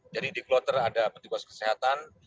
di kloter ada petugas kesehatan